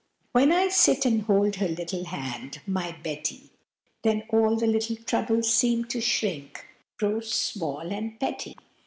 WHEN I sit and hold her little hand, My Betty, Then all the little troubles seem to shrink, Grow small and petty.